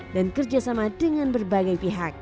dan kerjasama dengan bangsa yang berkontribusi untuk menjaga bumi